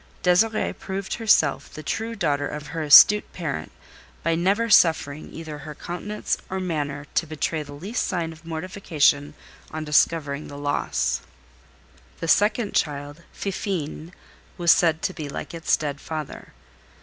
Désirée proved herself the true daughter of her astute parent, by never suffering either her countenance or manner to betray the least sign of mortification on discovering the loss. The second child, Fifine, was said to be like its dead father.